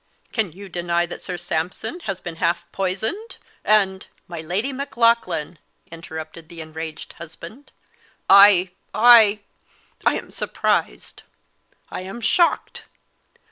Can you deny that Sir Sampson has been half poisoned? And " "My Lady Maclaughlan," interrupted the enraged husband, "I I I am surprised I am shocked!